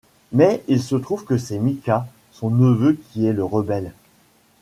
Mais il se trouve que c'est Micah, son neveu, qui est le Rebel.